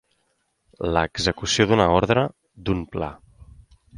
L'execució d'una ordre, d'un pla.